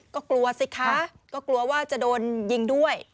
ก็กลัวสิคะก็กลัวว่าจะโดนยิงด้วย